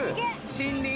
森林。